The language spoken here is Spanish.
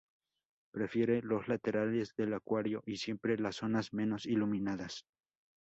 Prefiere los laterales del acuario y siempre las zonas menos iluminadas.